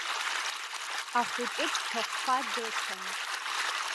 Ахәыҷы дҭахәхәа дыцәан.